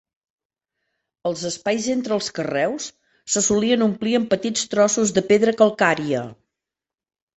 Els espais entre els carreus se solien omplir amb petits trossos de pedra calcària.